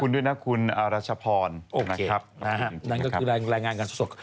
คุณด้วยนะคุณอรัชพรนะครับนั่นก็คือแรงรายงานการสด